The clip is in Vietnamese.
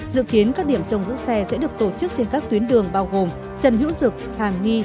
dự kiến các điểm trồng giữ xe sẽ được tổ chức trên các tuyến đường bao gồm trần hữu dực hàng nghi